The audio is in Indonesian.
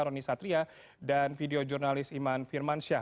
roni satria dan video jurnalis iman firman syah